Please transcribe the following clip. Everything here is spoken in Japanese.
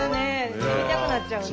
行きたくなっちゃうね。